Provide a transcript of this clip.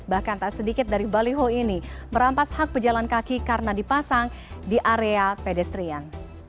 bahkan tak sedikit dari baliho ini merampas hak pejalan kaki karena dipasang di area pedestrian